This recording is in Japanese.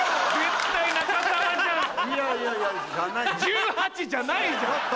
１８じゃないじゃん！